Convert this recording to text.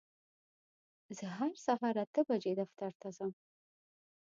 زه هر سهار اته بجې دفتر ته ځم.